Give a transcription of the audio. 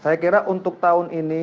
saya kira untuk tahun ini